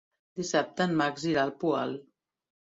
Dissabte en Max irà al Poal.